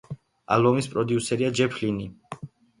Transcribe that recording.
ალბომის პროდიუსერია ჯეფ ლინი.